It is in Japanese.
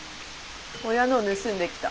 親のを盗んできた。